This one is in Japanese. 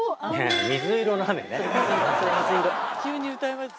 急に歌いまして。